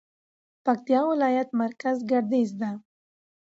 پکتيا ولايت مرکز ګردېز ده